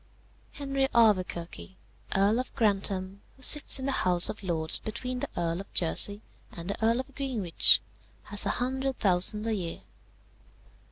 "Henry Auverquerque, Earl of Grantham, who sits in the House of Lords between the Earl of Jersey and the Earl of Greenwich, has a hundred thousand a year.